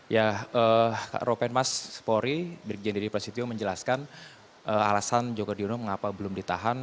ya ropen maspori dirik jendri presidio menjelaskan alasan joko driono mengapa belum ditahan